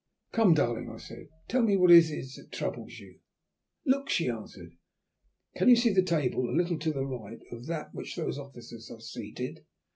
"Come, darling," I said, "tell me what it is that troubles you." "Look," she answered, "can you see the table a little to the right of that at which those officers are seated?"